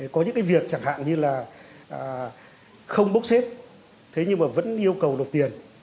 có những việc chẳng hạn như là không bốc xếp thế nhưng mà vẫn yêu cầu lột tiền